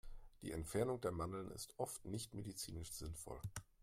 Die Entfernung der Mandeln ist oft nicht medizinisch sinnvoll.